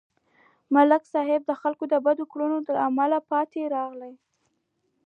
ملک صاحب د خلکو د بدو کړنو له امله پاتې راغی.